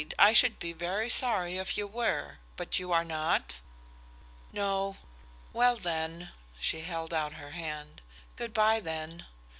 I should be very sorry if you were. But you are not?" "No. Well then" she held out her hand "Good by, then."